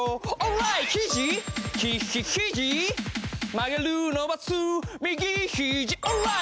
「曲げる伸ばす右ひじ」オーライ！